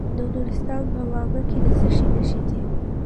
د نورستان په واما کې د څه شي نښې دي؟